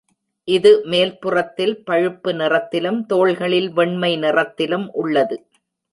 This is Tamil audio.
இது மேல்புறத்தில் பழுப்பு நிறத்திலும், தோள்களில் வெண்மை நிறத்திலும் உள்ளது.